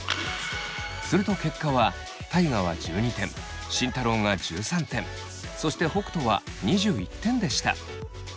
すると結果は大我は１２点慎太郎が１３点そして北斗は２１点でした。